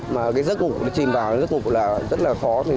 mà cái giấc ngủ chìm vào là rất là khó